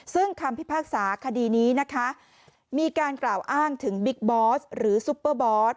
ซึ่งคำพิพากษาคดีนี้นะคะมีการกล่าวอ้างถึงบิ๊กบอสหรือซุปเปอร์บอส